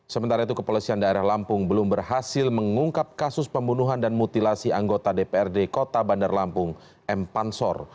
sementara itu kepolisian daerah lampung belum berhasil mengungkap kasus pembunuhan dan mutilasi anggota dprd kota bandar lampung m pansor